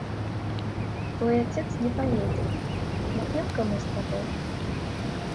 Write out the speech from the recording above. Твой отец не поедет; махнем-ка мы с тобой!